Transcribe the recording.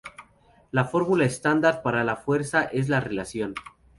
La fórmula estándar para esta fuerza es la relación.